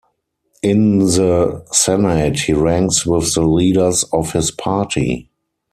In the senate he ranks with the leaders of his party.